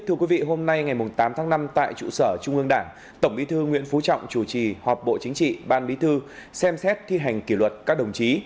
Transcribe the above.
thưa quý vị hôm nay ngày tám tháng năm tại trụ sở trung ương đảng tổng bí thư nguyễn phú trọng chủ trì họp bộ chính trị ban bí thư xem xét thi hành kỷ luật các đồng chí